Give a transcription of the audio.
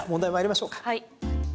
はい。